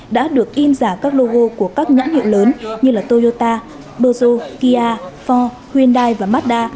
đã được in giả các logo của các nhãn hiệu lớn như toyota peugeot kia ford hyundai và mazda